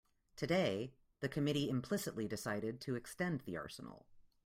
Today the committee implicitly decided to extend the arsenal.